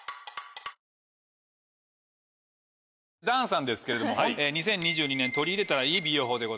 檀さんですけれども２０２２年取り入れたらいい美容法